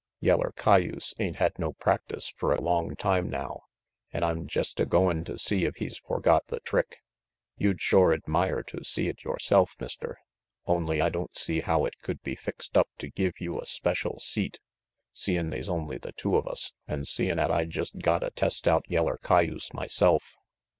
Yeller cayuse ain't had no practice fer a long time now, an' I'm jest a goin' to see if he's forgot the trick. You'd shore admire to see it yoreself, Mister, only I don't see how it could be fixed up to give you a special seat, seein' they's only the two of us, an' seein' 'at I jest gotta test out yeller cayuse myself.